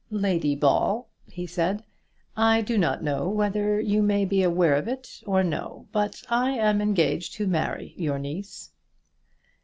"Lady Ball," he said, "I do not know whether you may be aware of it or no, but I am engaged to marry your niece."